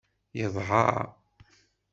Yedɛa.